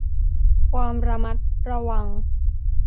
ความระมัดระวัง